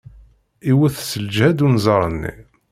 Iwet s ljehd unẓar-nni.